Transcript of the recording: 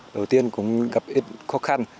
đầu tiên cũng gặp ít khó khăn